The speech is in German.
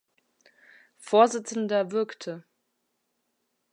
Vorsitzender wirkte.